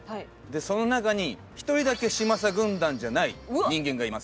その中に１人だけ嶋佐軍団じゃない人間がいます。